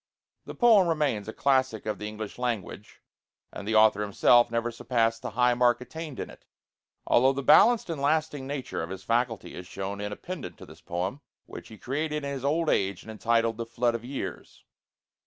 The poem remains a classic of the English language, and the author himself never surpassed the high mark attained in it; although the balanced and lasting nature of his faculty is shown in a pendant to this poem, which he created in his old age and entitled 'The Flood of Years.'